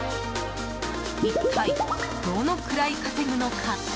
一体どのくらい稼ぐのか。